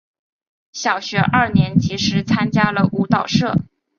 小学二年级时参加了舞蹈社。